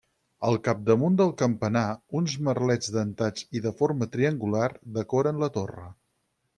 Al capdamunt del campanar, uns merlets dentats i de forma triangular decoren la torre.